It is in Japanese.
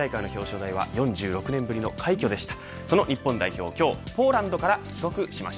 世界大会の表彰台は４６年ぶりの快挙でした。